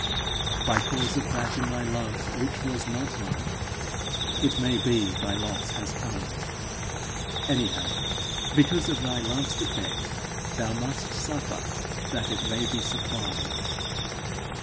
By cause of that in thy love which was not love, it may be thy loss has come; anyhow, because of thy love's defect, thou must suffer that it may be supplied.